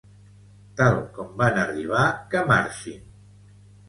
Tal com van arribar que marxin